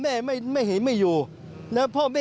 ชาวบ้านในพื้นที่บอกว่าปกติผู้ตายเขาก็อยู่กับสามีแล้วก็ลูกสองคนนะฮะ